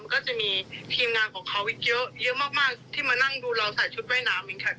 ก็จะมีทีมงานของเขาอีกเยอะมากที่มานั่งดูเราใส่ชุดว่ายน้ำเองค่ะ